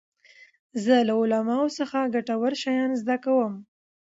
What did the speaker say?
زه له علماوو څخه ګټور شیان زده کوم.